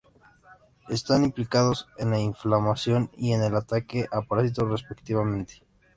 Están implicados en la inflamación y en el ataque a parásitos, respectivamente.